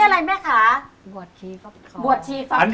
ชอบชอบคุณนะครับ